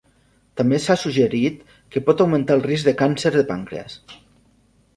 També s'ha suggerit que pot augmentar el risc de càncer de pàncrees.